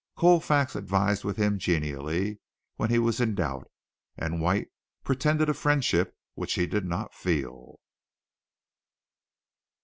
Colfax advised with him genially when he was in doubt, and White pretended a friendship which he did not feel.